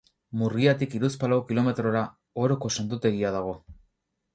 Murgiatik hiruzpalau kilometrora Oroko Santutegia dago.